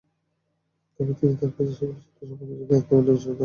তবে তিনি তাঁর কাজের সমালোচনা সম্পর্কে জ্ঞাত থাকলেও নিজস্ব ধরন পরিবর্তন করেননি।